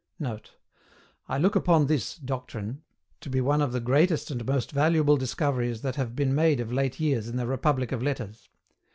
] [Note: "I look upon this (doctrine) to be one of the greatest and most valuable discoveries that have been made of late years in the republic of letters."